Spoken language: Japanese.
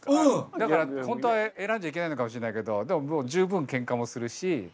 本当は選んじゃいけないのかもしれないけどでも十分ケンカもするし。